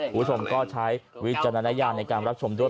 คุณผู้ชมก็ใช้วิจารณญาณในการรับชมด้วย